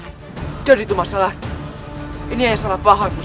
kau tidak usah meragukan kesetiaanku